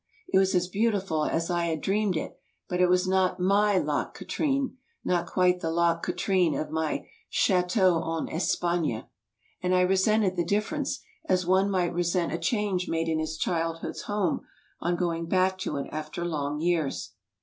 It was as beautiful as I had dreamed it, but it was not my Loch Katrine, not quite the Loch Katrine of my "Chateau en Espagne." And I resented the difference, as one might resent a change made in his childhood's home on going back to it afttr long years.